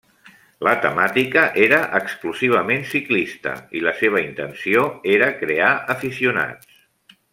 La temàtica era exclusivament ciclista i la seva intenció era crear aficionats.